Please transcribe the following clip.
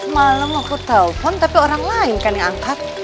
malam aku telpon tapi orang lain kan yang angkat